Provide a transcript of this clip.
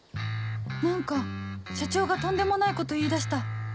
何か社長がとんでもないこと言いだした